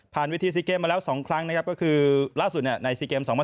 วิธีซีเกมมาแล้ว๒ครั้งนะครับก็คือล่าสุดใน๔เกม๒๐